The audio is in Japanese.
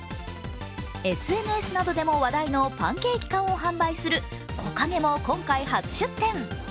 ＳＮＳなどでも話題のパンケーキ缶を発売するＫＯＫＡＧＥも今回初出店。